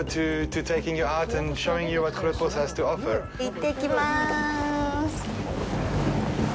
行ってきまーす。